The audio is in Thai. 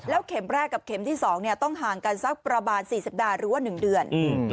เข็มแรกกับเข็มที่๒ต้องห่างกันสักประมาณ๔สัปดาห์หรือว่า๑เดือน